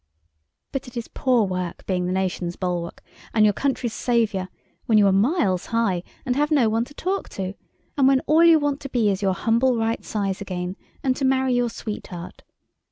But it is poor work being the nation's bulwark and your country's saviour when you are miles high, and have no one to talk to, and when all you want is to be your humble right size again and to marry your sweetheart.